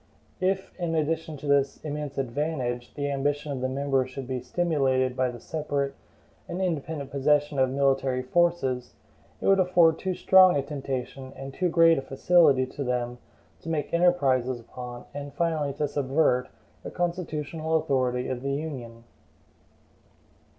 If, in addition to this immense advantage, the ambition of the members should be stimulated by the separate and independent possession of military forces, it would afford too strong a temptation and too great a facility to them to make enterprises upon, and finally to subvert, the constitutional authority of the Union.